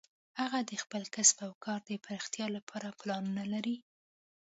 هغه د خپل کسب او کار د پراختیا لپاره پلانونه لري